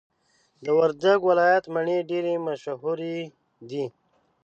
د وردګو ولایت مڼي ډیري مشهور دي.